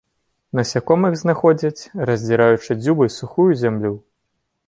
Насякомых знаходзяць, раздзіраючы дзюбай сухую зямлю.